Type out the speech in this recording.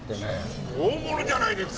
大物じゃないですか！